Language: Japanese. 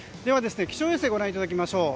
気象衛星ご覧いただきましょう。